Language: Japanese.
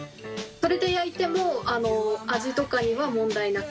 それで焼いても味とかには問題なくなる？